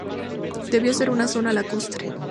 Debió ser una zona lacustre.